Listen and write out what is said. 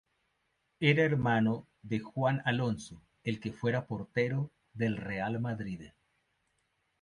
Era hermano de Juan Alonso, el que fuera portero del Real Madrid.